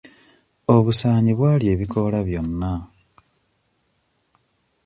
Obusaanyi bwalya ebikoola byonna.